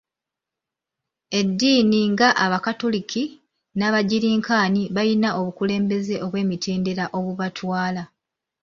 Eddiini nga abakatoliki n'abangirikaani bayina obukulembeze obw'emitendera obubatwala .